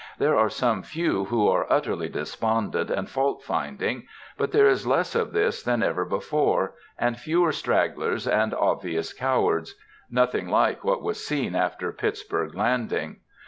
There are some few who are utterly despondent and fault finding. But there is less of this than ever before, and fewer stragglers and obvious cowards,—nothing like what was seen after Pittsburg Landing.